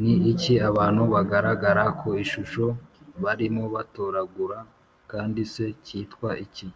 Ni iki abantu bagaragara ku ishusho barimo batoragura kandi se cyitwa iki